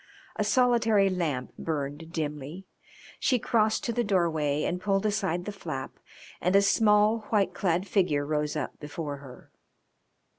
A solitary lamp burned dimly. She crossed to the doorway and pulled aside the flap, and a small, white clad figure rose up before her.